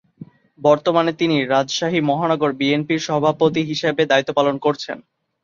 বর্তমানে তিনি রাজশাহী মহানগর বিএনপির সভাপতি হিসেবে দায়িত্ব পালন করছেন।